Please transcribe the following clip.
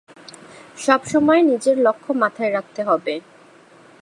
সবসময় নিজের লক্ষ মাথায় রাখতে হবে।